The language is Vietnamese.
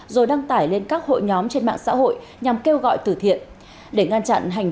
rồi đăng tải lên các hội nhóm trên mạng xã hội nhằm kêu gọi tử thiện để ngăn chặn hành